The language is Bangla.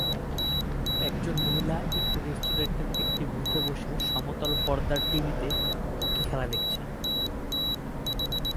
একজন মহিলা একটি রেস্টুরেন্টের একটি বুথে বসে সমতল পর্দার টিভিতে হকি খেলা দেখছেন।